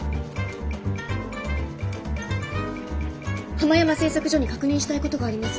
ハマヤマ製作所に確認したいことがあります。